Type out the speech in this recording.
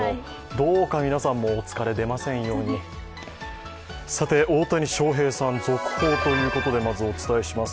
どうか皆さんもお疲れ、出ませんようにさて、大谷翔平さん続報ということで、まずお伝えします。